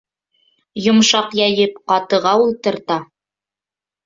Йомшаҡ йәйеп, ҡатыға ултырта.